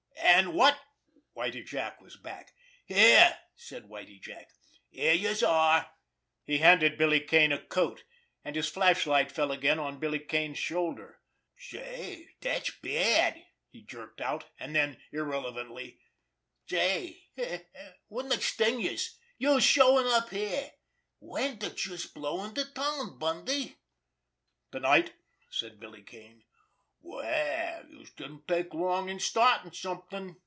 And what—— Whitie Jack was back. "Here!" said Whitie Jack. "Here youse are!" He handed Billy Kane a coat, and his flashlight fell again on Billy Kane's shoulder. "Say, dat's bad!" he jerked out; and then, irrelevantly, "Say, wouldn't it sting youse—youse showin' up here! When did youse blow into town, Bundy?" "To night," said Billy Kane. "Well, youse didn't take long in startin' something!"